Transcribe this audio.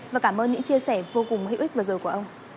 và cảm ơn những chia sẻ vô cùng hữu ích vừa rồi của ông